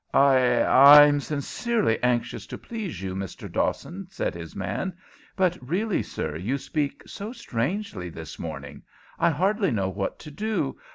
"I I'm sincerely anxious to please you, Mr. Dawson," said his man; "but really, sir, you speak so strangely this morning, I hardly know what to do.